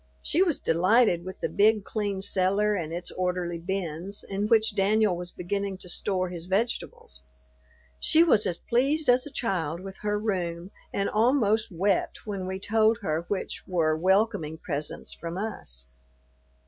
She was delighted with the big, clean cellar and its orderly bins, in which Danyul was beginning to store his vegetables. She was as pleased as a child with her room, and almost wept when we told her which were "welcoming presents" from us.